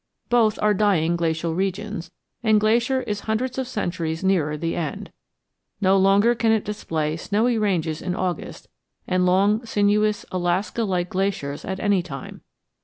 Both are dying glacial regions, and Glacier is hundreds of centuries nearer the end; no longer can it display snowy ranges in August and long, sinuous Alaska like glaciers at any time.